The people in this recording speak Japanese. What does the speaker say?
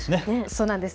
そうなんです。